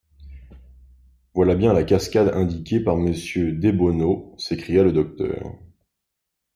Voilà bien la cascade indiquée par Monsieur Debono », s’écria le docteur.